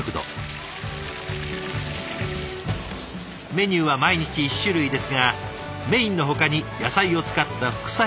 メニューは毎日１種類ですがメインのほかに野菜を使った副菜が充実。